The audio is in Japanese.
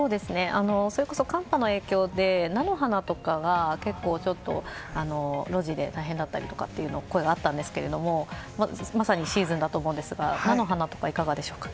寒波の影響で、菜の花とかが結構、露地で大変だったという声があったんですけどまさにシーズンだと思うんですが菜の花とかはいかがでしょうか。